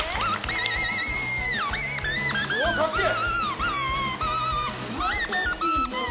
うわ、かっけー！